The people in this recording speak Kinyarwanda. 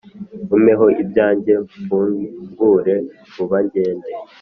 umpeho ibyanjye mfungure vuba ngende.